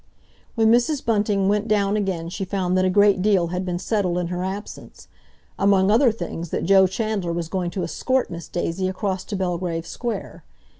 When Mrs. Bunting went down again she found that a great deal had been settled in her absence; among other things, that Joe Chandler was going to escort Miss Daisy across to Belgrave Square.